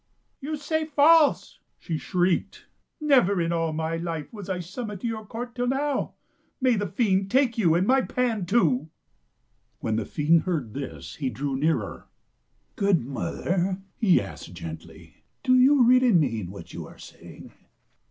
"You say false," she shrieked. "Never in all my life was I summoned to your court till now. May the fiend take you, and my pan too." When the fiend heard this, he drew nearer. " Good mother," he asked gently, "do you really mean what you are saying